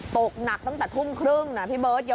ตกหนักตั้งแต่ทุ่มครึ่งนะพี่เบิร์ต